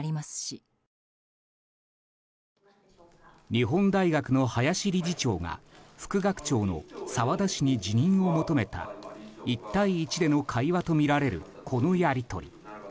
日本大学の林理事長が副学長の澤田氏に辞任を求めた１対１での会話とみられるこのやり取り。